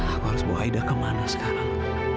aku harus bawa aida kemana sekarang